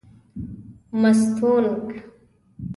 مستونگ